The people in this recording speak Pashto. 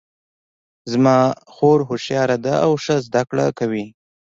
زما خور هوښیاره ده او ښه زده کړه کوي